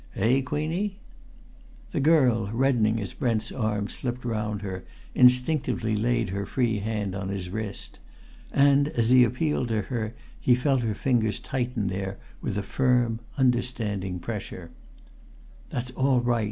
Eh, Queenie?" The girl, reddening as Brent's arm slipped round her, instinctively laid her free hand on his wrist. And as he appealed to her he felt her fingers tighten there with a firm, understanding pressure. "That's all right!"